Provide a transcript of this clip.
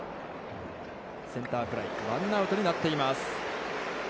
センターフライ、ワンアウトになっています。